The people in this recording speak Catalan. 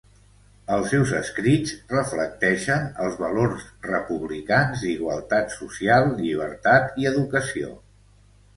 Els seus escrits reflecteixen els valors republicans d'igualtat social, llibertat i educació.